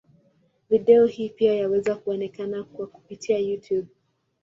Video hii pia yaweza kuonekana kwa kupitia Youtube.